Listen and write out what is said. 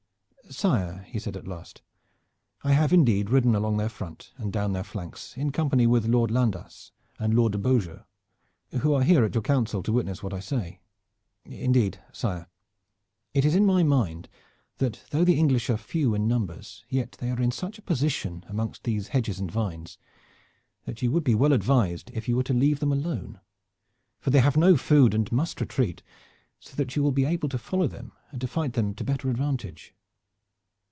"Sire," he said at last, "I have indeed ridden along their front and down their flanks, in company with Lord Landas and Lord de Beaujeu, who are here at your council to witness to what I say. Indeed, sire, it is in my mind that though the English are few in number yet they are in such a position amongst these hedges and vines that you would be well advised if you were to leave them alone, for they have no food and must retreat, so that you will be able to follow them and to fight them to better advantage."